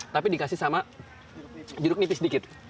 tapi dikasih sama jeruk nipis sedikit